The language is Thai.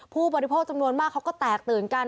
ผู้บริโภคจำนวนมากเขาก็แตกตื่นกัน